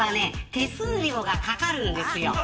手数料がかかるんですよ。